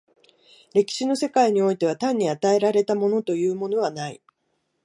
歴史の世界においては単に与えられたものというものはない。